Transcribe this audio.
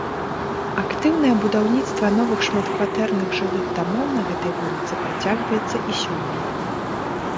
Актыўнае будаўніцтва новых шматкватэрных жылых дамоў на гэтай вуліцы працягваецца і сёння.